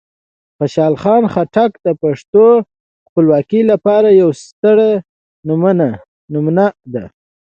خوشحال خان خټک د پښتنو د خپلواکۍ لپاره یوه ستره نمونه ده.